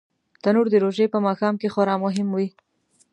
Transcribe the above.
تنور د روژې په ماښام کې خورا مهم وي